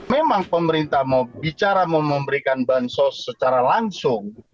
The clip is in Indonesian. memang pemerintah bicara mau memberikan bantuan sosial secara langsung